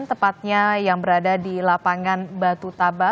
tepatnya yang berada di lapangan batu taba